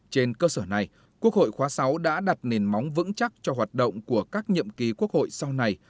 trên cơ sở này quốc hội khóa sáu đã đặt nền móng vững chắc cho hoạt động của các nhiệm kỳ quốc hội sau này